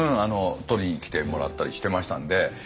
取りに来てもらったりしてましたんで。